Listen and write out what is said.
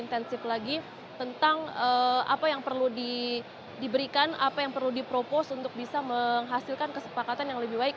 intensif lagi tentang apa yang perlu diberikan apa yang perlu dipropos untuk bisa menghasilkan kesepakatan yang lebih baik